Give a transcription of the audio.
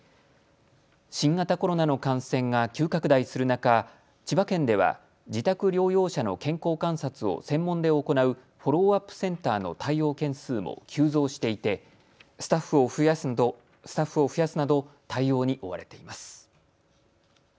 新型コロナの感染が急拡大する中、千葉県では自宅療養者の健康観察を専門で行うフォローアップセンターの対応件数も急増していてスタッフを増やすなど対応に追われています。